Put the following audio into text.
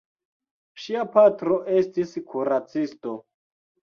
Ŝia patro estis kuracisto.